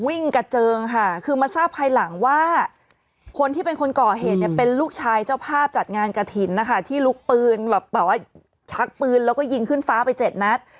วิ่งกระเจิงค่ะคือมาทราบภายหลังว่าคนที่เป็นคนก่อเหตุเนี่ยเป็นลูกชายเจ้าภาพจัดงานกระถิ่นนะคะที่ลุกปืนแบบว่าชักปืนแล้วก็ยิงขึ้นฟ้าไปเจ็ดนัด